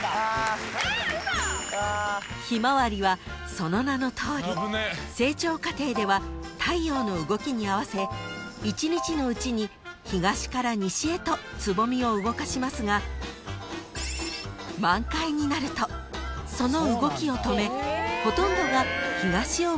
［その名のとおり成長過程では太陽の動きに合わせ１日のうちに東から西へとつぼみを動かしますが満開になるとその動きを止めほとんどが東を向いたままに］